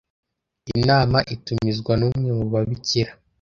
inama itumizwa n’umwe mu babikira